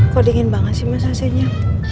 kok dingin banget sih mas ac nya